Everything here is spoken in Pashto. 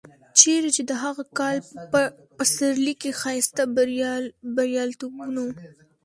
چېرې چې د هغه کال په پسرلي کې ښایسته بریالیتوبونه و.